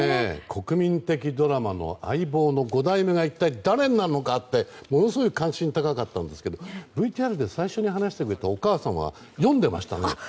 国民的ドラマの「相棒」の５代目が一体誰なのかって、ものすごい関心高かったんですけどＶＴＲで最初に話していたお母さんは読んでましたね。